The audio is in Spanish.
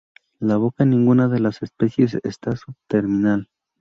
La boca en ninguna de las especies está subterminal.